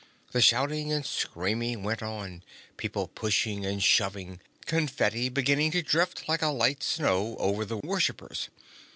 The shouting and screaming went on, people pushing and shoving, confetti beginning to drift like a light snow over the worshippers.